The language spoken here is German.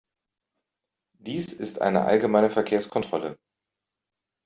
Dies ist eine allgemeine Verkehrskontrolle.